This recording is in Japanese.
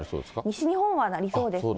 西日本はなりそうですね。